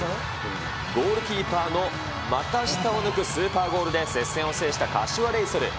ゴールキーパーの股下を抜くスーパーゴールで接戦を制した柏レイソル。